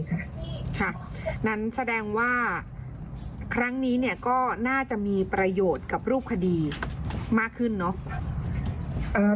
ค่ะนั้นแสดงว่าครั้งนี้เนี่ยก็น่าจะมีประโยชน์กับรูปคดีมากขึ้นเนอะ